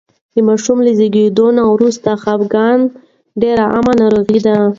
د ماشوم له زېږون وروسته خپګان ډېره عامه ناروغي ده.